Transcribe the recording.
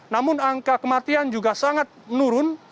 namun angka kematian juga sangat menurun